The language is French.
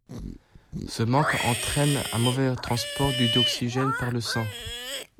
Ce manque entraîne un mauvais transport du dioxygène par le sang.